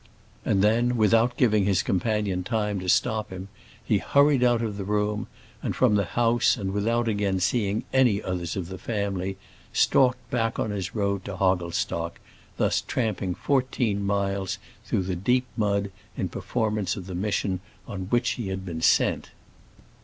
And then without giving his companion time to stop him he hurried out of the room, and from the house, and without again seeing any others of the family, stalked back on his road to Hogglestock, thus tramping fourteen miles through the deep mud in performance of the mission on which he had been sent.